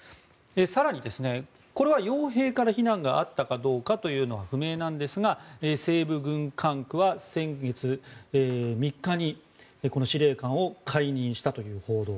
更に、これは、傭兵から非難があったかどうかというのは不明なんですが西部軍管区は先月３日にこの司令官を解任したという報道。